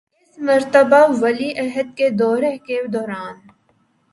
اس مرتبہ ولی عہد کے دورہ کے دوران